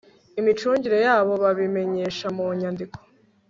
imicungire yabo babimenyesha mu nyandiko